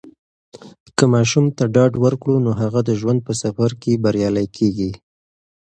که ماشوم ته ډاډ ورکړو، نو هغه د ژوند په سفر کې بریالی کیږي.